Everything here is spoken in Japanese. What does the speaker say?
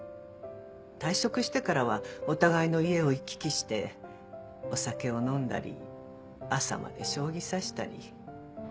退職してからはお互いの家を行き来してお酒を飲んだり朝まで将棋指したり。